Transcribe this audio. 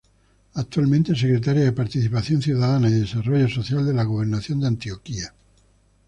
Actualmente es Secretaria de Participación Ciudadana y Desarrollo Social de la Gobernación de Antioquia.